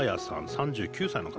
３９歳の方。